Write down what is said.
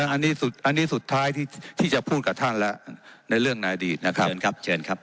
อันนี้สุดอันนี้สุดท้ายที่ที่จะพูดกับท่านแล้วในเรื่องนายดีนะครับเชิญครับเชิญครับ